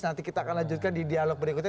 nanti kita akan lanjutkan di dialog berikutnya